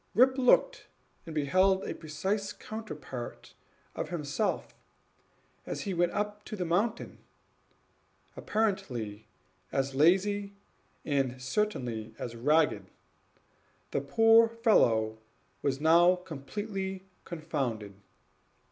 Rip looked, and beheld a precise counterpart of himself, as he went up the mountain: apparently as lazy, and certainly as ragged. The poor fellow was now completely confounded.